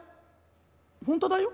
本当だよ。